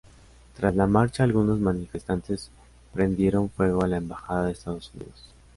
Tras la marcha algunos manifestantes prendieron fuego a la embajada de Estados Unidos.